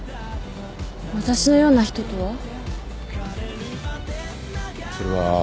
私のような人とは？